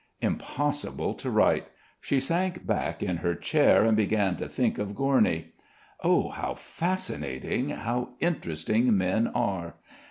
Impossible to write. She sank back in her chair and began to think of Gorny. Oh, how fascinating, how interesting men are!